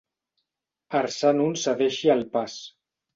Arçar en un cedeixi el pas.